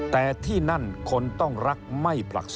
แต่ที่นั่นคนต้องรักไม่ปรักษณ